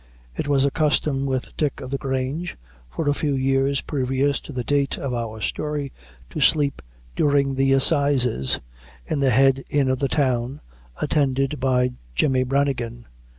It was a custom with Dick o' the Grange, for a few years previous to the date of our story, to sleep during the assizes, in the head inn of the town, attended by Jemmy Branigan.